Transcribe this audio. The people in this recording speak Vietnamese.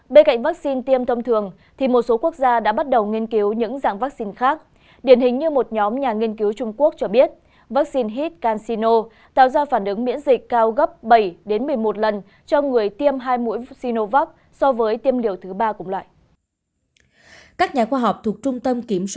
các nhà khoa học thuộc trung tâm kiểm soát và phòng ngừa dịch bệnh tỉnh giang tô